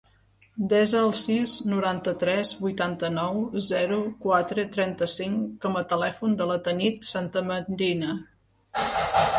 Desa el sis, noranta-tres, vuitanta-nou, zero, quatre, trenta-cinc com a telèfon de la Tanit Santamarina.